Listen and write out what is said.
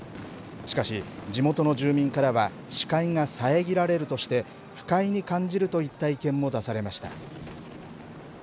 しかし、地元の住民からは視界が遮られるとして、不快に感じるといった意見も出されました。